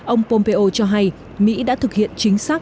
ông pompeo cho hay mỹ đã thực hiện chính xác